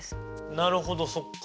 なるほどそっか。